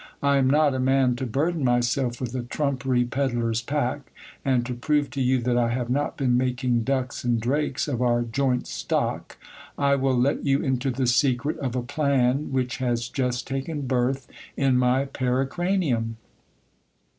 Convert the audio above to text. I am not a man to burden myself with a trumpery pedlar's pack ; and to prove to you that I have not been making ducks and drakes of our joint stock, I will let you into the secret of a plan which has just taken birth in my pericranium.